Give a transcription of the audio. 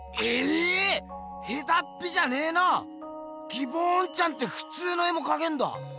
ギボーンちゃんってふつうの絵もかけるんだ！